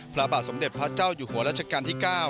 พระบาทสมเด็จพระเจ้าอยู่หัวรัชกาลที่๙